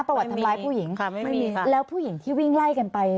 ประวัติทำร้ายผู้หญิงไม่มีแล้วผู้หญิงที่วิ่งไล่กันไป